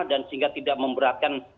dan sehingga tidak memberatkan